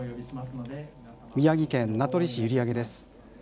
宮城県名取市閖上です。